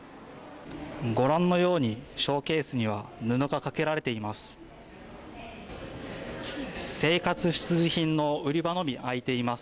ご覧のようにショーケースには布がかけられています。